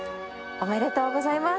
ありがとうございます。